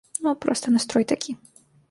Ну, проста настрой такі.